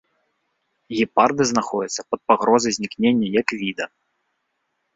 Гепарды знаходзяцца пад пагрозай знікнення як віда.